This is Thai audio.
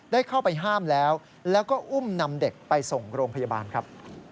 ได้เข้าไปห้ามแล้วแล้วก็อุ้มนำเด็กไปส่งโรงพยาบาลครับ